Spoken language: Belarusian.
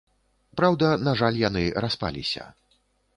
Праўда, на жаль, яны распаліся.